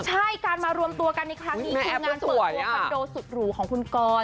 ใช่การมารวมตัวกันในครั้งนี้ทีมงานเปิดตัวคอนโดสุดหรูของคุณกร